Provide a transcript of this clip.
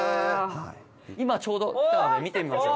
今ちょうど来たので見てみましょう。